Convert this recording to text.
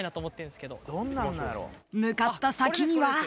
［向かった先には］